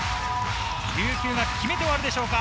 琉球が決めて終わるでしょうか。